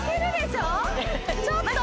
ちょっと！